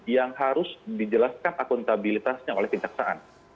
yang harus dijelaskan akuntabilitasnya oleh kejaksaan